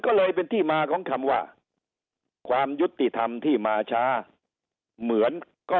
ก็เลยเป็นที่มาของคำว่าความยุติธรรมที่มาช้าเหมือนก็